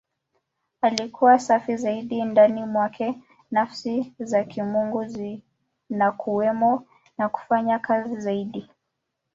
Akiwa safi zaidi, ndani mwake Nafsi za Kimungu zinakuwemo na kufanya kazi zaidi.